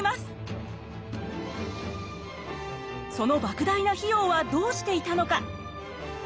その莫大な費用はどうしていたのか。